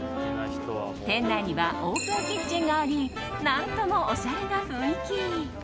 店内にはオープンキッチンがあり何ともおしゃれな雰囲気。